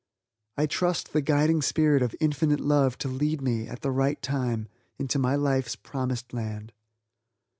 I trust the guiding Spirit of Infinite Love to lead me, at the right time, into my life's Promised Land.